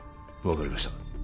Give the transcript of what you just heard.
分かりました